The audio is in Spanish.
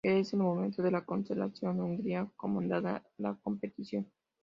En el momento de la cancelación, Hungría comandaba la competición.